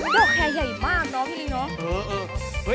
ดอกแคร์ใหญ่มากเนาะพี่ลิงเนาะ